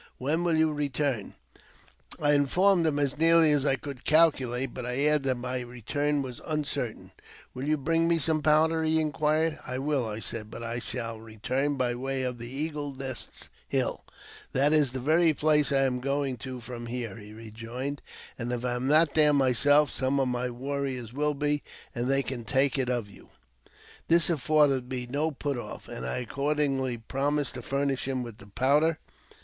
When will you return ?" I informed him as nearly as I could calculate, but I added I that my return was uncertain. [" Will you bring me some powder ?" he inquired. S98 AUTOBIOGBAPHY OF JAMES P. BECEWOUETH. " I will," I said ;*' but I shall return by way of the Eagle's Nest Hill." That's the very place I am going to from here," he rejoined ;*' and, if I am not there myself, some of my warriors will be, and they can take it of you.'' This afforded me no put off, and I accordingly promised to iurnish him with the powder.